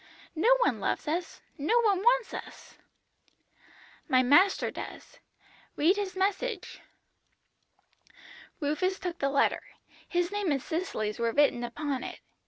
No one loves us, no one wants us.' "'My Master does. Read His message.' "Rufus took the letter. His name and Cicely's were written upon it.